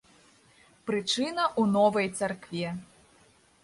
Прычына ў новай царкве.